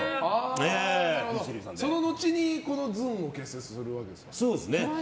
その後にずんを結成するわけですか。